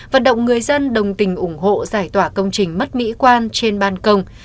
vận động người dân đồng tình ủng hộ giải tỏa công trình mất mỹ quan trên ban công